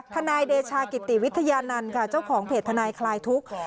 ทนายเดชากิติวิทยานันต์ค่ะเจ้าของเพจทนายคลายทุกข์